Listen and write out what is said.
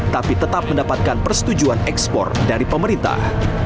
tapi tetap mendapatkan persetujuan ekspor dari pemerintah